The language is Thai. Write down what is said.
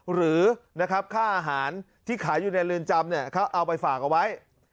หรือนะครับค่าอาหารที่ขายอยู่ในเรือนจำเขาเอาไปฝากเอาไว้